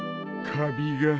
カビが。